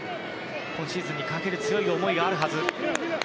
今シーズンにかける強い思いがあるはず。